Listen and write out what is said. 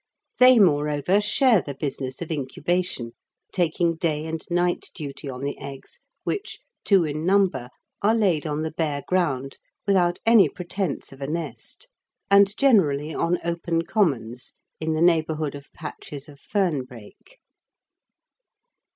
They moreover share the business of incubation, taking day and night duty on the eggs, which, two in number, are laid on the bare ground without any pretence of a nest, and generally on open commons in the neighbourhood of patches of fern brake.